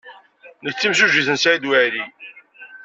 Nekk d timsujjit n Saɛid Waɛli.